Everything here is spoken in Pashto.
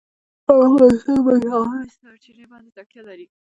افغانستان په ژورې سرچینې باندې تکیه لري.